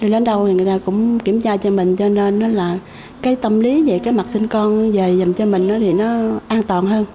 đến đâu thì người ta cũng kiểm tra cho mình cho nên là cái tâm lý về cái mặt sinh con về dùng cho mình thì nó an toàn hơn